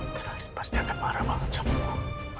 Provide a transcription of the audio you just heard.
terakhir pasti akan marah banget sama